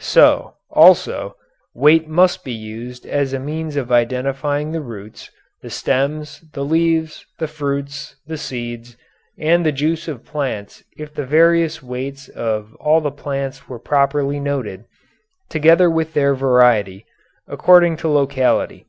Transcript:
So, also, weight might be used as a means of identifying the roots, the stems, the leaves, the fruits, the seeds, and the juice of plants if the various weights of all the plants were properly noted, together with their variety, according to locality.